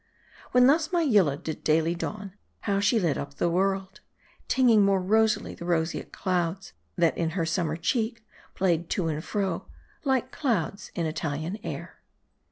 When thus my Yillah did daily dawn, how she lit up my world ; tinging more rosily the roseate clouds, that in her summer cheek played to and fro, like clouds in Italian air.